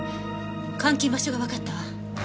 監禁場所がわかったわ。